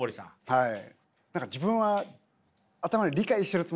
はい。